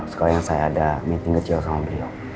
sekalian saya ada meeting kecil sama beliau